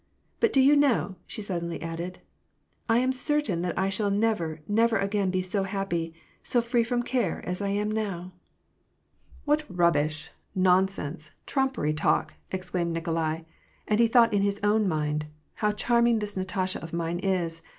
" But do you know," she suddenly added, " I am cer tain that I shall never, never again be bo happy, so free from care as I am now ?" WAR AND PEACE. 279 " What rubbish, nonsenSe, trumpery talk !" exclaimed Nik olai ; and he thought in his own mind, " How charming this Natasha of mine is